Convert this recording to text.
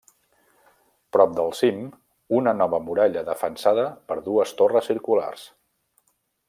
Prop del cim, una nova muralla defensada per dues torres circulars.